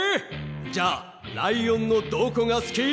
じゃあライオンのどこがすき？